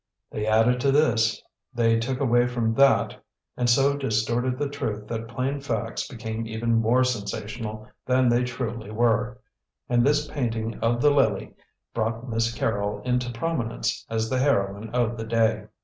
They added to this, they took away from that, and so distorted the truth that plain facts became even more sensational than they truly were. And this painting of the lily brought Miss Carrol into prominence as the heroine of the day.